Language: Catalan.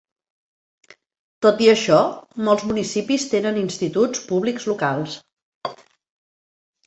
Tot i això, molts municipis tenen instituts públics locals.